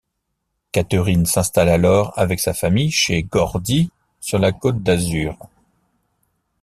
Catherine s'installe alors, avec sa famille, chez Gordi sur la Côte d'Azur.